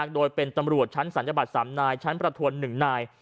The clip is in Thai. โดยเป็นตำรวจชั้นศัลยบัตร๓นายชั้นประทวน๑นาย